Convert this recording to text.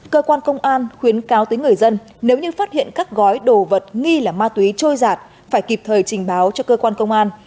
cơ quan công an khuyến cáo tới người dân nếu như phát hiện các gói đồ vật nghi là ma túy trôi giạt phải kịp thời trình báo cho cơ quan công an